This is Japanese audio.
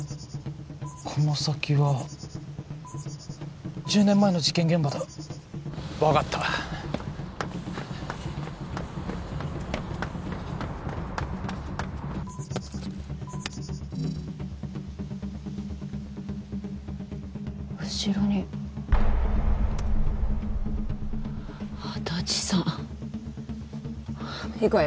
この先は１０年前の事件現場だ分かった後ろに安達さん行くわよ